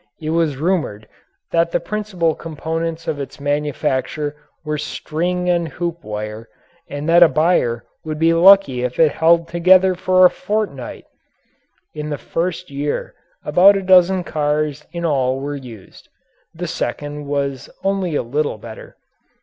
It was rumoured that the principal components of its manufacture were string and hoop wire and that a buyer would be lucky if it held together for a fortnight! In the first year about a dozen cars in all were used; the second was only a little better.